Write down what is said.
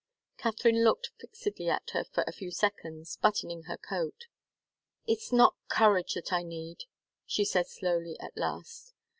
Katharine looked fixedly at her for a few seconds, buttoning her coat. "It's not courage that I need," she said slowly, at last.